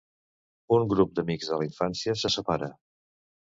Un grup d'amics de la infància se separa.